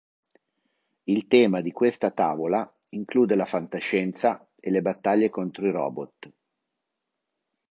Il tema di questa tavola include la fantascienza e le battaglie contro i robot.